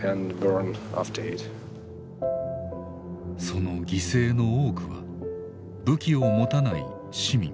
その犠牲の多くは武器を持たない市民。